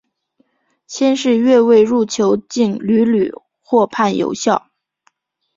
先是越位入球竟屡屡获判有效。